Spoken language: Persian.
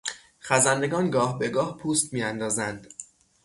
خزندگان گاه به گاه پوست میاندازند.